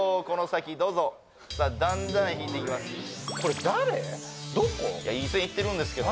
この先どうぞだんだん引いていきます